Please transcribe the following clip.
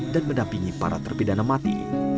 dan mendampingi para terpidana mati